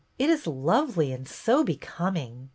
It is lovely and so becoming."